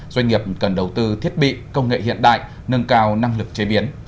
doanh nghiệp cần đầu tư thiết bị công nghệ hiện đại nâng cao năng lực chế biến